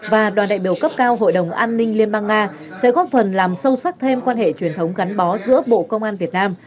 và đoàn đại biểu cấp cao hội đồng an ninh liên bang nga sẽ góp phần làm sâu sắc thêm quan hệ truyền thống gắn bó giữa bộ công an việt nam